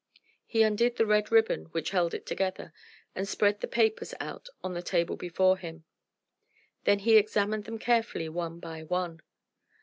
He undid the red ribbon which held it together and spread the papers out on the table before him. Then he examined them carefully one by one.